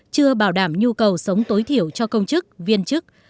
chưa bảo đảm nhu cầu sống tối thiệt